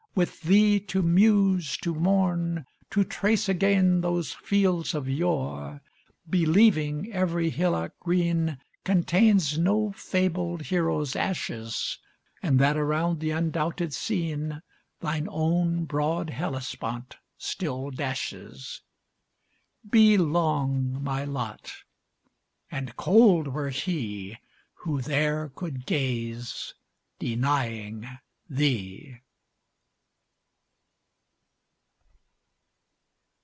with thee to muse, to mourn, To trace again those fields of yore, Believing every hillock green Contains no fabled hero's ashes, And that around the undoubted scene Thine own "broad Hellespont" still dashes, Be long my lot! and cold were he Who there could gaze denying thee!